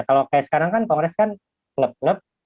kalau kayak sekarang kan kongres kan klub klub